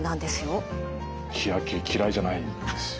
日焼け嫌いじゃないんですよね。